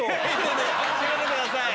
しめてください。